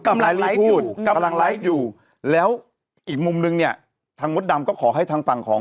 กำลังพูดกำลังไลฟ์อยู่แล้วอีกมุมนึงเนี่ยทางมดดำก็ขอให้ทางฝั่งของ